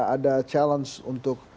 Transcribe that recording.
ada challenge untuk